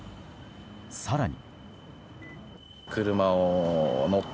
更に。